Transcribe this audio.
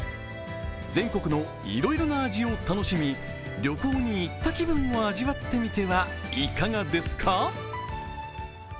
全国のいろいろな味を楽しみ、旅行に行った気分を味わってみてはいかがですか？